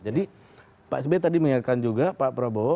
jadi pak sb tadi mengingatkan juga pak prabowo